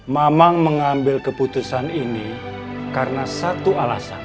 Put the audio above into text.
memang mengambil keputusan ini karena satu alasan